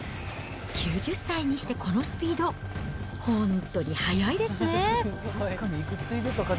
９０歳にしてこのスピード、本当に速いですね。